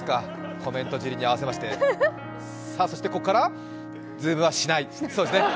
コメントじりに合わせまして、さあここからズームはしない。